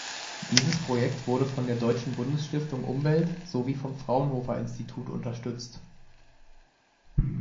Dieses Projekt wurde von der Deutschen Bundesstiftung Umwelt, sowie vom Fraunhofer-Institut unterstützt.